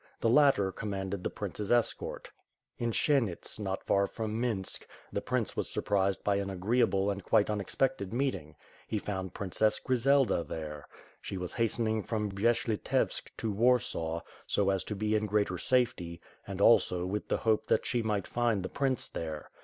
The latter com manded the Prince's escort. In Siennits, not far from ^linsk, the Prince was surprised by an agreeable and quite unex pected meeting. He found Princess (trizelda there. She was hastening from Bjesh Litevsk to AVarsaw, so as to be in greater safety, and also with the hope that she might find the prince there.